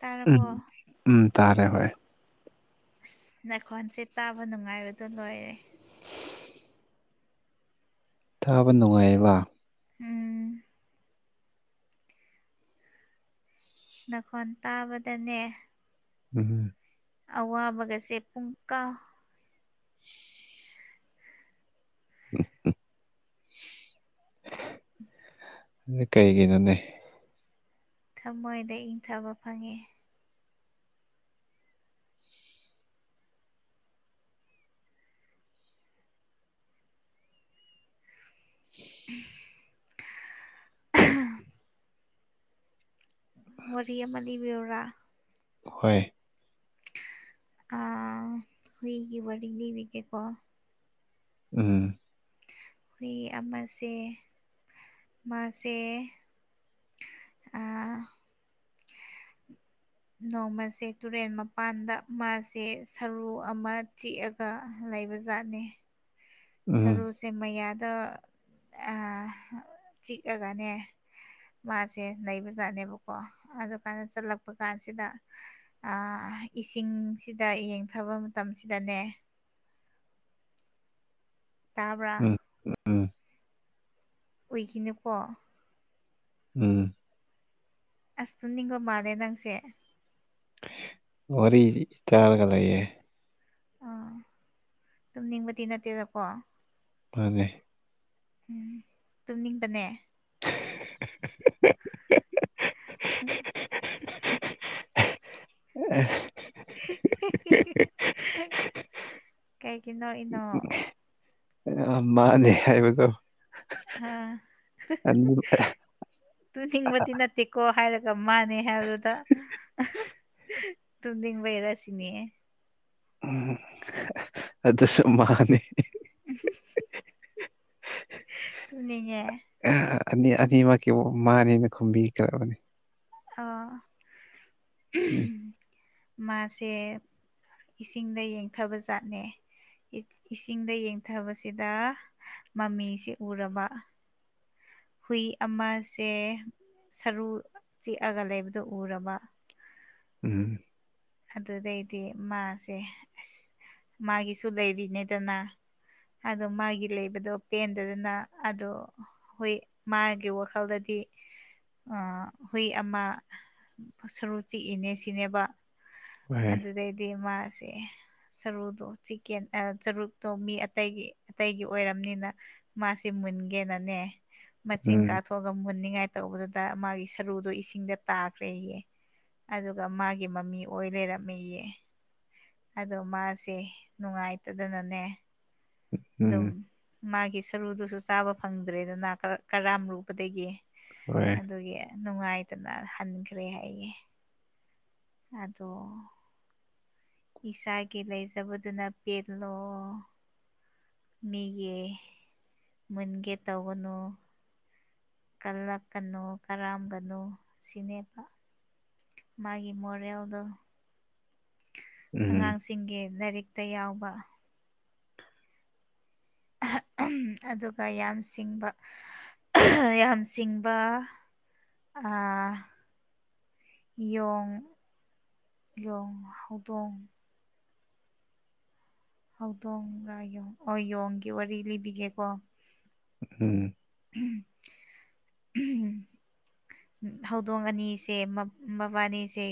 ꯇꯥꯔꯕꯣ ꯎꯝ ꯎꯝ ꯇꯥꯔꯦ ꯍꯣꯏ ꯑꯁ ꯅꯥꯈꯣꯟꯁꯦ ꯇꯥꯕ ꯅꯨꯡꯉꯥꯏꯕꯗꯣ ꯂꯣꯏꯔꯦ ꯇꯥꯕ ꯅꯨꯡꯉꯥꯏꯑꯦꯕ ꯎꯝ ꯅꯈꯣꯟ ꯇꯥꯕꯗꯅꯦ ꯎꯝ ꯑꯋꯥꯕꯒꯁꯦ ꯄꯨꯡꯀꯥꯎ ꯑꯗꯨ ꯀꯩꯒꯤꯅꯣꯅꯦ ꯊꯃꯣꯏꯗ ꯏꯪꯊꯕ ꯐꯪꯉꯦ [inaudible] [inaudible] ꯋꯥꯔꯤ ꯑꯃ ꯂꯤꯕꯤꯌꯨꯔꯥ ꯍꯣꯏ ꯑꯥ ꯍꯨꯏꯒꯤ ꯋꯥꯔꯤ ꯂꯤꯕꯤꯒꯦꯀꯣ ꯎꯝ ꯍꯨꯏ ꯑꯃꯁꯦ ꯃꯥꯁꯦ ꯑꯥ ꯅꯣꯡꯃꯁꯦ ꯇꯨꯔꯦꯜ ꯃꯄꯥꯟꯗ ꯃꯥꯁꯦ ꯁꯔꯨ ꯑꯃ ꯆꯤꯛꯑ ꯒ ꯂꯩꯕ ꯖꯥꯠꯅꯦ ꯎꯝ ꯁꯔꯨꯁꯦ ꯃꯌꯥꯗ ꯑꯥ ꯆꯤꯛꯑꯒꯅꯦ ꯃꯥꯁꯦ ꯂꯩꯕꯖꯥꯠꯅꯦꯕꯀꯣ ꯑꯗꯨꯀꯥꯟꯗ ꯆꯠꯂꯛꯄ ꯀꯥꯟꯁꯤꯗ ꯑꯥ ꯏꯁꯤꯡꯁꯤꯗ ꯌꯦꯡꯊꯕ ꯃꯇꯝꯁꯤꯗꯅꯦ ꯎꯝ ꯇꯥꯕ꯭ꯔꯥ ꯎꯝ ꯎꯏꯈꯤꯅꯨꯀꯣ ꯎꯝ ꯑꯁ ꯇꯨꯝꯅꯤꯡꯕ ꯃꯥꯜꯂꯦ ꯅꯪꯁꯦ ꯋꯥꯔꯤꯔꯤ ꯇꯥꯔꯒ ꯂꯩꯌꯦ ꯑꯥ ꯇꯨꯝꯅꯤꯡꯕꯗꯤ ꯅꯠꯇꯦꯗꯀꯣ ꯃꯥꯟꯅꯦ ꯎꯝ ꯇꯨꯝꯅꯤꯡꯕꯅꯦ [unintelligible] [unintelligible] [unintelligible] ꯀꯩꯒꯤ ꯅꯣꯛꯏꯅꯣ ꯑꯥ ꯃꯥꯅꯦ ꯍꯥꯏꯕꯗꯣ ꯑꯍꯥ ꯑꯅꯤ ꯇꯨꯝꯅꯤꯡꯕꯗꯤ ꯅꯠꯇꯦꯀꯣ ꯍꯥꯏꯔꯛ ꯒ ꯃꯥꯅꯦ ꯍꯥꯏꯕꯗꯨꯗ ꯇꯨꯝꯅꯤꯡꯕꯩꯔꯥ ꯁꯤꯅꯦ ꯎꯝ ꯑꯗꯨꯁꯨ ꯃꯥꯅꯤ ꯇꯨꯝꯅꯤꯡꯉꯦ ꯑꯥ ꯑꯅꯤ ꯑꯅꯤꯃꯛꯀꯤ ꯃꯥꯅꯤꯅ ꯈꯨꯝꯕꯤꯈ꯭ꯔꯕꯅꯤ ꯑꯥ ꯎꯝ ꯃꯥꯁꯦ ꯏꯁꯤꯡꯗ ꯌꯦꯡꯊꯕꯖꯥꯠꯅꯦ ꯏꯁꯤꯡꯗ ꯌꯦꯡꯊꯕꯁꯤꯗ ꯃꯃꯤꯁꯦ ꯎꯔꯕ ꯍꯨꯏ ꯑꯃꯁꯦ ꯁꯔꯨ ꯆꯤꯛꯑꯒ ꯂꯩꯕꯗꯣ ꯎꯔꯕ [unintelligible] ꯑꯗꯨꯗꯩꯗꯤ ꯃꯥꯁꯦ ꯑꯁ ꯃꯥꯒꯤꯁꯨ ꯂꯩꯔꯤꯅꯤꯗꯅ ꯑꯗꯣ ꯃꯥꯒꯤ ꯂꯩꯕꯗꯣ ꯄꯦꯟꯗꯗꯅ ꯑꯗꯣ ꯍꯨꯏ ꯃꯥꯒꯤ ꯋꯥꯈꯜꯗꯗꯤ ꯑ ꯍꯨꯏ ꯑꯃ ꯁꯔꯨ ꯆꯤꯛꯏꯅꯦ ꯁꯤꯅꯦꯕ ꯍꯣꯏ ꯑꯗꯨꯗꯩꯗꯤ ꯃꯥꯁꯦ ꯁꯔꯨꯗꯣ ꯆꯤꯛꯀꯦꯟ ꯆꯨꯔꯨꯞꯇꯣ ꯃꯤ ꯑꯇꯩꯒꯤ ꯑꯇꯩꯒꯤ ꯑꯣꯏꯔꯝꯅꯤꯅ ꯃꯥꯁꯦ ꯃꯨꯟꯒꯦꯅꯅꯦ ꯃꯆꯤꯡ ꯎꯝ ꯀꯥꯊꯣꯛ ꯑꯒ ꯃꯨꯟꯅꯤꯡꯉꯥꯏ ꯇꯧꯕꯗꯨꯗ ꯃꯥꯒꯤ ꯁꯔꯨꯗꯣ ꯏꯁꯤꯡꯗ ꯇꯥꯈ꯭ꯔꯦꯌꯦ ꯑꯗꯨꯒ ꯃꯥꯒꯤ ꯃꯃꯤ ꯑꯣꯏ ꯂꯩꯔꯝꯃꯦꯌꯦ ꯑꯗꯣ ꯃꯥꯁꯦ ꯅꯨꯡꯉꯥꯏꯇꯗꯅꯅꯦ ꯎꯝ ꯑꯗꯨꯝ ꯃꯥꯒꯤ ꯁꯔꯨꯗꯨꯁꯨ ꯆꯥꯕ ꯐꯪꯗ꯭ꯔꯦꯗꯅ ꯀꯔꯥꯝ ꯔꯨꯕꯗꯒꯤ ꯍꯣꯏ ꯑꯗꯨꯒꯤ ꯅꯨꯡꯉꯥꯏꯇꯅ ꯍꯟꯈ꯭ꯔꯦ ꯍꯥꯏꯌꯦ ꯑꯗꯣ ꯏꯁꯥꯒꯤ ꯂꯩꯖꯕꯗꯨꯅ ꯄꯦꯜꯂꯣ ꯃꯤꯒꯤ ꯃꯨꯟꯒꯦ ꯇꯧꯒꯅꫭ ꯀꯜꯂꯛꯀꯅꯨ ꯀꯔꯥꯝꯒꯅꯨ ꯁꯤꯅꯦꯕ ꯃꯥꯒꯤ ꯃꯣꯔꯦꯜꯗꯣ ꯎꯝ ꯑꯉꯥꯡꯁꯤꯡꯒꯤ ꯂꯥꯏꯔꯤꯛꯇ ꯌꯥꯎꯕ [unintelligible] ꯑꯗꯨꯒ ꯌꯥꯝ ꯁꯤꯡꯕ [unintelligible] ꯌꯥꯝ ꯁꯤꯡꯕ ꯑ ꯌꯣꯡ ꯌꯣꯡ ꯍꯧꯗꯣꯡ ꯍꯧꯗꯣꯡꯔ ꯌꫭꯡ ꯑꯣ ꯌꯣꯡꯒꯤ ꯋꯥꯔꯤ ꯂꯤꯕꯤꯒꯦꯀꯣ ꯎꯝ [unintelligible] ꯍꯧꯗꯣꯡ ꯑꯅꯤꯁꯦ ꯃꯕꯥꯟꯅꯤꯁꯦ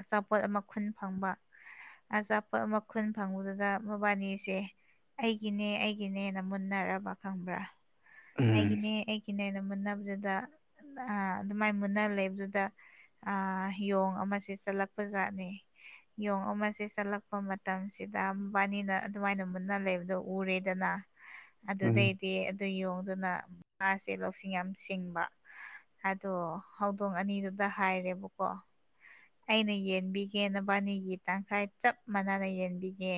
ꯑꯆꯥꯄꯣꯠ ꯑꯃ ꯈꯨꯟ ꯐꯪꯕ ꯑꯆꯥꯄꯣꯠ ꯑꯃ ꯈꯨꯟ ꯐꯪꯕꯗꯨꯗ ꯃꯕꯥꯟꯅꯤꯁꯦ ꯑꯩꯒꯤꯅꯦ ꯑꯩꯒꯤꯅꯦꯅ ꯃꯨꯟꯅꯔꯕ ꯈꯪꯕ꯭ꯔ ꯎꯝ ꯑꯩꯒꯤꯅꯦ ꯑꯩꯒꯤꯅꯦꯅ ꯃꯨꯟꯅꯞꯗꯨꯗ ꯑ ꯑꯗꯨꯝꯃꯥꯏ ꯃꯨꯟꯅ ꯂꯩꯞꯗꯨꯗ ꯑ ꯌꯣꯡ ꯑꯃꯁꯦ ꯆꯠꯂꯛꯄ ꯖꯥꯠꯅꯤ ꯌꯣꯡ ꯑꯃꯁꯦ ꯆꯠꯂꯛꯄ ꯃꯇꯝꯁꯤꯗ ꯃꯕꯥꯟꯅꯤꯅ ꯑꯗꯨꯃꯥꯏꯅ ꯃꯨꯟꯅ ꯂꯩꯕꯗꯣ ꯎꯔꯦꯗꯅ ꯎꯝ ꯑꯗꯨꯗꯩꯗꯤ ꯑꯗꯨ ꯌꯣꯡꯗꯨꯅ ꯃꯥꯁꯦ ꯂꯧꯁꯤꯡ ꯌꯥꯝ ꯁꯤꯡꯕ ꯑꯗꯣ ꯍꯧꯗꯣꯡ ꯑꯅꯤꯗꯨꯗ ꯍꯥꯏꯔꯦꯕꯀꯣ ꯑꯩꯅ ꯌꯦꯟꯕꯤꯒꯦ ꯅꯕꯥꯟꯅꯤꯒꯤ ꯇꯪꯈꯥꯏ ꯆꯞ ꯃꯥꯟꯅꯅ ꯌꯦꯟꯕꯤꯒꯦ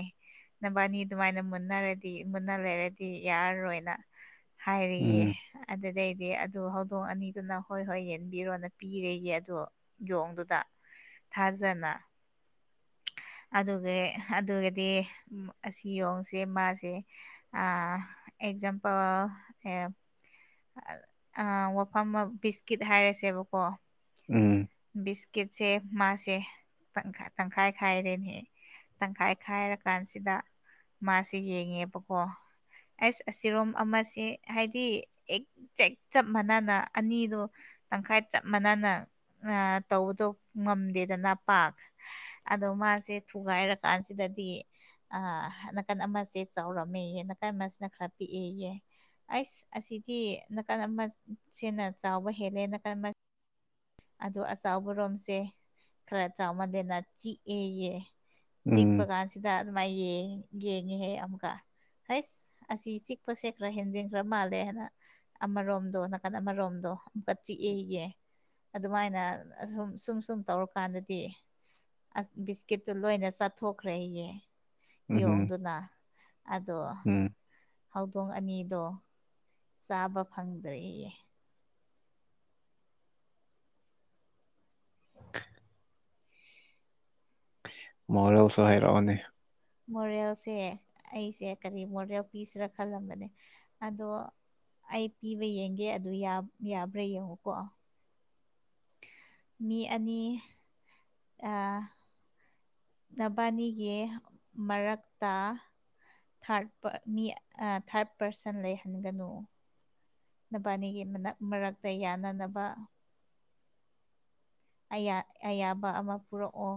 ꯅꯕꯥꯟꯅꯤ ꯑꯗꯨꯃꯥꯏꯅ ꯃꯨꯟꯅꯔꯗꯤ ꯃꯨꯟꯅ ꯂꯩꯔꯗꯤ ꯌꯥꯔꯔꯣꯏꯅ ꯍꯥꯏꯔꯦꯌꯦ ꯎꯝ ꯑꯗꯨꯗꯩꯗꯤ ꯑꯗꯨ ꯍꯧꯗꯣꯡ ꯑꯅꯤꯗꯨꯅ ꯍꯣꯏ ꯍꯣꯏ ꯌꯦꯟꯕꯤꯔꯣꯅ ꯄꯤꯔꯦꯌꯦ ꯑꯗꯣ ꯌꯣꯡꯗꯨꯗ ꯊꯥꯖꯅ ꯑꯗꯨꯒꯤ ꯑꯗꯨꯒꯗꯤ ꯑꯁꯤ ꯌꯣꯡꯁꯦ ꯃꯥꯁꯦ ꯑ ꯑꯦꯛꯖꯥꯝꯄꯜ [unintelligible] ꯑꯥ ꯋꯥꯐꯝ ꯕꯤꯁꯀꯤꯠ ꯍꯥꯏꯔꯁꯦꯕꯀꯣ ꯎꯝ ꯕꯤꯁꯀꯤꯠꯁꯦ ꯃꯥꯁꯦ ꯇꯪꯈꯥ ꯇꯪꯈꯥꯏ ꯈꯥꯏꯔꯦꯅꯦ꯫ ꯇꯪꯈꯥꯏ ꯈꯥꯏꯔꯀꯥꯟꯁꯤꯗ ꯃꯥꯁꯤ ꯌꯦꯡꯉꯦꯕꯀꯣ꯫ ꯑꯁ ꯑꯁꯤꯔꯣꯝ ꯑꯃꯁꯦ ꯍꯥꯏꯗꯤ ꯑꯦꯛ ꯖꯦꯛ ꯆꯞ ꯃꯥꯟꯅꯅ ꯑꯅꯤꯗꯣ ꯇꯪꯈꯥꯏ ꯆꯞ ꯃꯥꯟꯅꯅ ꯑꯥ ꯇꯧꯕꯗꯣ ꯉꯝꯗꯦꯗꯅ ꯄꯥꯛ꯫ ꯑꯗꯣ ꯃꯥꯁꯦ ꯊꯨꯒꯥꯏꯔꯀꯥꯟꯁꯤꯗꯗꯤ ꯑꯥ ꯅꯥꯀꯟ ꯑꯃꯁꯦ ꯆꯥꯎꯔꯝꯃꯦꯌꯦ ꯅꯥꯀꯟ ꯑꯃꯁꯤꯅ ꯈꯔ ꯄꯤꯛꯑꯦꯌꯦ꯫ ꯑꯩꯁ ꯑꯁꯤꯗꯤ ꯅꯥꯀꯟ ꯑꯃ ꯁꯦꯅ ꯆꯥꯎꯕ ꯍꯦꯜꯂꯦ ꯅꯥꯀꯟ ꯑꯃ ꯑꯗꯣ ꯑꯆꯥꯎꯕꯔꯣꯝꯁꯦ ꯈꯔ ꯆꯥꯎꯃꯟꯂꯦꯅ ꯆꯤꯛꯑꯦꯌꯦ꯫ ꯆꯤꯛꯄ ꯎꯝ ꯀꯥꯟꯁꯤꯗ ꯑꯗꯨꯃꯥꯏ ꯌꯦꯡ ꯌꯦꯡꯉꯦ ꯍꯥꯏ ꯑꯃꯨꯛꯀ꯫ ꯍꯩꯁ ꯑꯁꯤ ꯆꯤꯛꯄꯁꯦ ꯈꯔ ꯍꯦꯟꯖꯤꯟ ꯈ꯭ꯔ ꯃꯥꯜꯂꯦ ꯍꯥꯏꯅ ꯑꯃꯔꯣꯝꯗꯣ ꯅꯥꯀꯟ ꯑꯃꯔꯣꯝꯗꯣ ꯑꯃꯨꯛꯀ ꯆꯤꯛꯑꯦꯌꯦ꯫ ꯑꯗꯨꯃꯥꯏꯅ ꯑꯁꯨꯝ ꯁꯨꯝ ꯁꯨꯝ ꯇꯧꯔꯀꯥꯟꯗꯗꯤ ꯑꯁ ꯕꯤꯁꯀꯤꯠꯇꯨ ꯂꯣꯏꯅ ꯆꯥꯊꯣꯛꯈ꯭ꯔꯦꯌꯦ꯫ ꯎꯝ ꯎꯝ ꯌꯣꯡꯗꯨꯅ ꯑꯗꯣ ꯎꯝ ꯍꯧꯗꯣꯡ ꯑꯅꯤꯗꯣ ꯆꯥꯕ ꯐꯪꯗ꯭ꯔꯦꯌꯦ꯫ ꯃꯣꯔꯦꯜꯁꯨ ꯍꯥꯏꯔꯛꯑꯣꯅꯦ꯫ ꯃꯣꯔꯦꯜꯁꯦ ꯑꯩꯁꯦ ꯀꯔꯤ ꯃꯣꯔꯦꯜ ꯄꯤꯁꯤꯔ ꯈꯜꯂꯝꯕꯅꯦ ꯑꯗꯣ ꯑꯩ ꯄꯤꯕ ꯌꯦꯡꯒꯦ ꯑꯗꯨ ꯌꯥ-ꯌꯥꯕ꯭ꯔꯥ ꯌꯦꯡꯉꯨꯀꯣ꯫ ꯃꯤ ꯑꯅꯤ ꯑꯥ ꯅꯕꯥꯅꯤꯒꯤ ꯃꯔꯛꯇ ꯊꯥꯔꯠ ꯄꯥꯔ ꯃꯤ ꯑꯥ ꯊꯥꯔꯠ ꯄꯥꯔꯁꯟ ꯂꯩꯍꯟꯒꯅꯨ꯫ ꯅꯕꯥꯅꯤꯒꯤ ꯃꯅꯛ ꯃꯔꯛꯇ ꯌꯥꯅꯅꯕ꯫ ꯑꯌꯥ ꯑꯌꯥꯕ ꯑꯃ ꯄꯨꯔꯛꯑꯣ꯫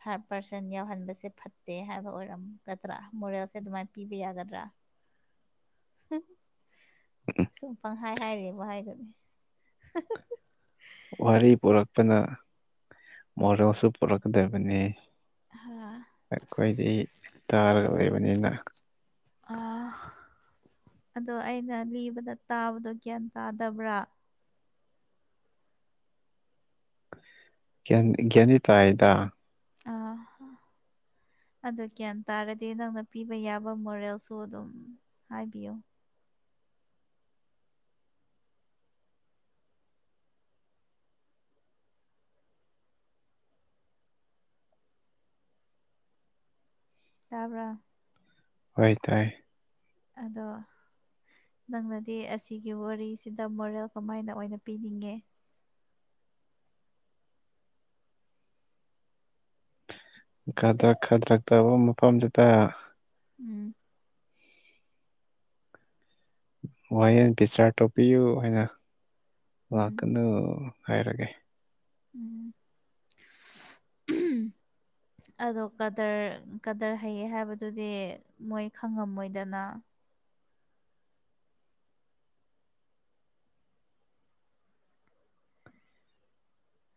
ꯊꯥꯔꯠ ꯄꯥꯔꯁꯟ ꯌꯥꯎꯍꯟꯕꯁꯦ ꯐꯠꯇꯦ ꯍꯥꯏꯕ ꯑꯣꯏꯔꯝꯒꯗ꯭ꯔꯥ ꯃꯣꯔꯦꯜꯁꯦ ꯑꯗꯨꯃꯥꯏꯅ ꯄꯤꯕ ꯌꯥꯒꯗ꯭ꯔꯥ꯫ [inaudible] ꯁꯨꯝ ꯄꯪꯍꯥꯏ ꯍꯥꯏꯔꯤꯕ ꯍꯥꯏꯗꯨꯅꯤ꯫ ꯋꯥꯔꯤ ꯄꯨꯔꯛꯄꯅ ꯃꯣꯔꯦꯜꯁꯨ ꯄꯨꯔꯛꯀꯗꯕꯅꯦ꯫ ꯑꯩꯈꯣꯏꯗꯤ ꯇꯥꯔꯒ ꯂꯩꯕꯅꯤꯅ꯫ ꯑꯥ ꯑꯗꯣ ꯑꯩꯅ ꯂꯤꯕꯗ ꯇꯥꯕꯗꯣ ꯒ꯭ꯌꯥꯟ ꯇꯥꯗꯕ꯭ꯔꯥ꯫ ꯒ꯭ꯌꯥꯟ ꯒ꯭ꯌꯥꯟꯗꯤ ꯇꯥꯏꯗ꯫ ꯑꯥ ꯍ꯫ ꯑꯗꯨ ꯒ꯭ꯌꯥꯟ ꯇꯥꯔꯗꯤ ꯅꯪꯅ ꯄꯤꯕ ꯌꯥꯕ ꯃꯣꯔꯦꯜꯁꯨ ꯑꯗꯨꯝ ꯍꯥꯏꯕꯤꯌꯨ꯫ ꯇꯥꯕ꯭ꯔ꯫ ꯍꯣꯏ ꯇꯥꯏ꯫ ꯑꯗꯣ ꯅꯪꯅꯗꯤ ꯑꯁꯤꯒꯤ ꯋꯥꯔꯤꯁꯤꯗ ꯃꯣꯔꯦꯜ ꯀꯃꯥꯏꯅ ꯑꯣꯏꯅ ꯄꯤꯅꯤꯡꯉꯦ꯫ ꯈꯗ꯭ꯔꯛ ꯈꯥꯗ꯭ꯔꯛ ꯇꯧꯕ ꯃꯐꯝꯗꯨꯗ ꯎꯝ꯫ ꯋꯥꯌꯦꯟ ꯕꯤꯆꯥꯔ ꯇꯧꯕꯤꯌꯨ ꯍꯥꯏꯅ ꯎꯝ ꯂꯥꯛꯀꯅꯨ ꯍꯥꯏꯔꯒꯦ꯫ ꯎꯝ [unintelligible] ꯑꯗꯣ ꯀꯗꯔ ꯀꯗꯔ ꯍꯩꯌꯦ ꯍꯥꯏꯕꯗꯨꯗꯤ ꯃꯣꯏ ꯈꯪꯉꯝꯃꯣꯏꯗꯅ꯫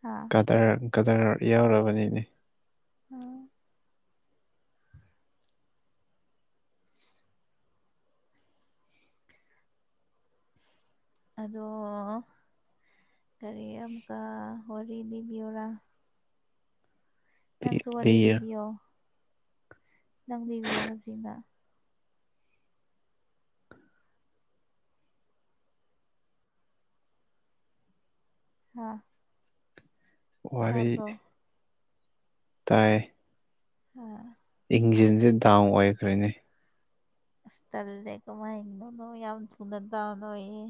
ꯍꯥꯥ꯫ ꯀꯗꯔ ꯀꯗꯔ ꯌꯥꯎꯔꯕꯅꯤꯅꯦ꯫ ꯑꯗꯣ ꯀꯔꯤ ꯑꯃꯨꯛꯀ ꯋꯥꯔꯤ ꯂꯤꯕꯤꯌꯨꯔꯥ꯫ ꯅꯪꯁꯨꯨ ꯋꯥꯔꯤ ꯂꯤꯔ ꯂꯤꯕꯤꯌꯣ ꯅꯪ ꯂꯤꯕꯤꯌꯣ ꯍꯧꯖꯤꯛꯅ ꯈꯥ ꯋꯥꯔꯤ ꯇꯥꯏ ꯍꯥ ꯏꯡꯖꯤꯟꯖꯦ ꯗꯥꯎꯟ ꯑꯣꯏꯈ꯭ꯔꯦꯅꯦ ꯑꯁ ꯇꯜꯂꯦ ꯀꯃꯥꯏꯅꯅꯣ ꯌꯥꯝ ꯊꯨꯅ ꯗꯥꯎꯟ ꯑꯣꯏꯌꯦ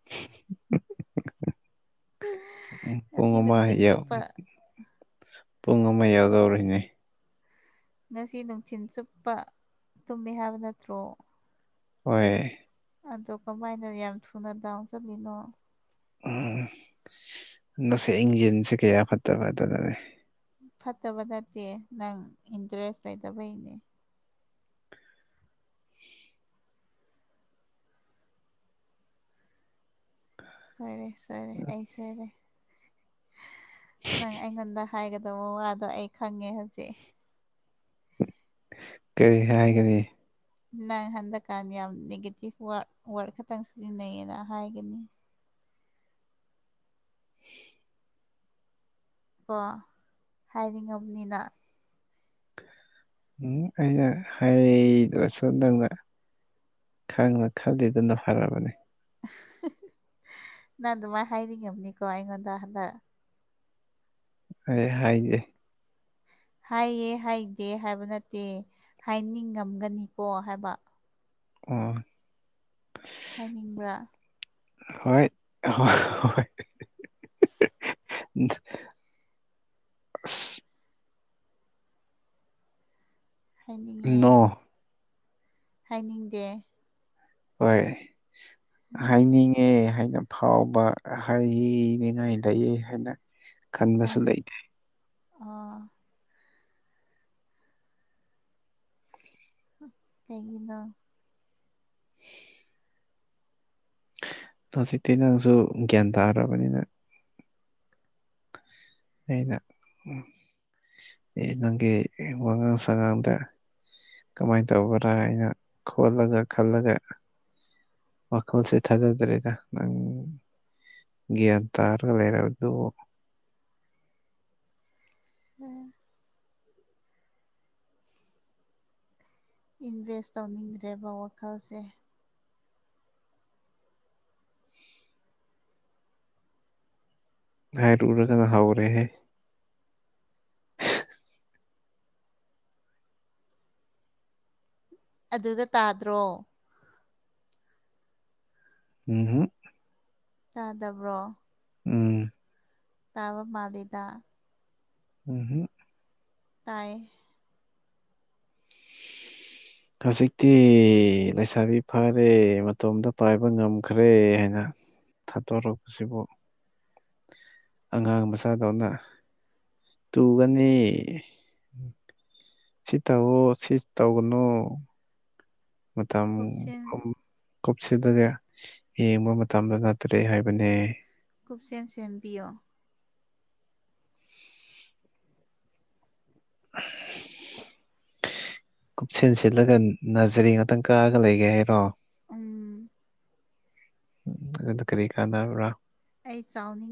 [inaudible] ꯎꯝ ꯄꯨꯡ ꯉꯁꯤ ꯑꯃ ꯅꯨꯡꯊꯤꯜ ꯌꯧ ꯆꯨꯞꯄ ꯄꯨꯡ ꯑꯃ ꯌꯧꯗꯧꯔꯤꯅꯦ ꯉꯁꯤ ꯅꯨꯡꯊꯤꯟ ꯆꯨꯞꯄ ꯇꯨꯝꯃꯦ ꯍꯥꯏꯕ ꯅꯠꯇ꯭ꯔꯣ ꯍꯣꯏ ꯑꯗꯣ ꯀꯃꯥꯏꯅ ꯌꯥꯝ ꯊꯨꯅ ꯗꯥꯎꯟ ꯆꯠꯂꯤꯅꯣ ꯎꯝ ꯅꯁꯦ ꯏꯡꯖꯤꯡꯁꯦ ꯀꯌꯥ ꯐꯠꯇꯕ ꯑꯗꯨꯅꯅꯦ ꯐꯠꯇꯕ ꯅꯠꯇꯦ ꯅꯪ ꯏꯟꯇꯔꯦꯁ ꯂꯩꯇꯕꯩꯅꯦ ꯁꯣꯏꯔꯦ ꯁꯣꯏꯔꯦ ꯑꯩ ꯁꯣꯏꯔꯦ ꯅꯪ ꯑꯩꯉꯣꯟꯗ ꯍꯥꯏꯒꯗꯣꯕ ꯋꯥꯗꯣ ꯑꯩ ꯈꯪꯉꯦ ꯍꯧꯖꯤꯛ ꯀꯔꯤ ꯍꯥꯏꯒꯅꯤ ꯅꯪ ꯍꯟꯗꯛꯀꯥꯟ ꯌꯥꯝ ꯅꯦꯒꯦꯇꯤꯞ ꯋꯥꯔꯗ ꯋꯥꯔꯗ ꯈꯇꯪ ꯁꯤꯖꯤꯟꯅꯩꯌꯦꯅ ꯍꯥꯏꯒꯅꯤ ꯀꯣ ꯍꯥꯏꯗꯤ ꯉꯝꯅꯤꯅ ꯎꯝ ꯑꯩꯅ ꯍꯥꯏꯗ꯭ꯔꯁꯨ ꯅꯪꯅ ꯈꯪꯅ ꯈꯜꯂꯤꯗꯨꯅ ꯐꯔꯕꯅꯦ ꯅꯪ ꯑꯗꯨꯃꯥꯏ ꯍꯥꯏꯅꯤꯉꯝꯅꯤꯀꯣ ꯑꯩꯉꯣꯟꯗ ꯍꯟꯗꯛ ꯑꯩ ꯍꯥꯏꯗꯦ ꯍꯥꯏꯌꯦ ꯍꯥꯏꯗꯦ ꯍꯥꯏꯕ ꯅꯠꯇꯦ ꯍꯥꯏꯅꯤꯡꯉꯝꯒꯅꯤꯀꯣ ꯍꯥꯏꯕ ꯑꯣ ꯍꯥꯏꯅꯤꯡꯕ꯭ꯔꯥ ꯍꯣꯏ ꯍꯣ ꯍꯣꯏ [inaudible] [inaudible] ꯑꯁ ꯍꯥꯏꯅꯤꯡꯉꯦ ꯅꯣ ꯍꯥꯏꯅꯤꯡꯗꯦ ꯍꯣꯏ ꯍꯥꯏꯅꯤꯡ ꯉꯦ ꯍꯥꯏꯅ ꯐꯥꯎꯕ ꯍꯥꯏꯌꯤꯅꯤꯉꯥꯏ ꯂꯩꯌꯦ ꯍꯥꯏꯅ ꯈꯟꯕꯁꯨ ꯂꯩꯇꯦ ꯑꯥ ꯀꯩꯒꯤꯅꯣ [inaudible] ꯍꯧꯖꯤꯛꯇꯤ ꯅꯪꯁꯨ ꯒ꯭ꯌꯥꯟ ꯇꯥꯔꯕꯅꯤꯅ ꯑꯩꯅ ꯑꯦ ꯅꯪꯒꯤ ꯑꯦ ꯋꯥꯉꯥꯡ ꯁꯉꯥꯡꯗ ꯀꯃꯥꯏ ꯇꯧꯕꯔꯥ ꯑꯩꯅ ꯈꯣꯠꯂꯒ ꯈꯜꯂꯒ ꯋꯥꯈꯜꯁꯦ ꯊꯥꯗꯗ꯭ꯔꯦꯗ ꯅꯪ ꯒ꯭ꯌꯥꯟ ꯇꯥꯔꯒ ꯂꯩꯔꯕꯗꯨꯕꯨ [unintelligible] ꯏꯟꯚꯦꯁ ꯇꯧꯅꯤꯡꯗ꯭ꯔꯦꯕ ꯋꯥꯈꯜꯁꯦ ꯍꯥꯏꯔꯨꯔꯒꯅꯥ ꯍꯧꯔꯦꯍꯦ ꯑꯗꯨꯗ ꯇꯥꯗ꯭ꯔꯣ ꯎꯝꯍꯨꯝ ꯇꯥꯗꯕ꯭ꯔꯣ ꯎꯝ ꯇꯥꯕ ꯄꯥꯜꯂꯤꯗ ꯎꯝꯍꯨꯝ ꯇꯥꯌꯦ ꯍꯧꯖꯤꯛꯇꯤ ꯂꯩꯁꯥꯕꯤ ꯐꯥꯔꯦ ꯃꯇꯣꯝꯇ ꯄꯥꯏꯕ ꯉꯝꯈ꯭ꯔꯦ ꯍꯥꯏꯅ ꯊꯥꯗꯣꯔꯛꯄꯁꯤꯕꯨ ꯑꯉꯥꯡ ꯃꯆꯥꯗꯧꯅ ꯇꯨꯒꯅꯤ ꯁꯤ ꯇꯧꯋꯣ ꯁꯤ ꯇꯧꯒꯅꯣ ꯃꯇꯝ ꯀꯨꯞꯁꯦꯟ ꯀꯨꯝ ꯀꯨꯞꯁꯤꯗꯅꯦ ꯌꯦꯡꯕ ꯃꯇꯝꯗꯣ ꯅꯠꯇ꯭ꯔꯦ ꯍꯥꯏꯕꯅꯦ ꯀꯨꯞꯁꯦꯟ ꯁꯦꯟꯕꯤꯌꯣ [inaudible] ꯀꯨꯞꯁꯦꯟ ꯁꯦꯜꯂꯒ ꯅꯖꯔꯤ ꯉꯥꯛꯇꯪ ꯀꯥꯔꯒ ꯂꯩꯒꯦ ꯍꯥꯏꯔꯣ ꯎꯝ ꯑꯗꯨ ꯀꯔꯤ ꯀꯥꯟꯅꯕ꯭ꯔꯥ ꯑꯩ ꯆꯥꯎꯅꯤ